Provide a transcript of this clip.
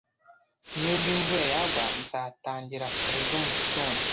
Nubwo imvura yagwa, nzatangira kare ejo mugitondo